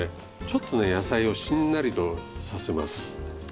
ちょっとね野菜をしんなりとさせます。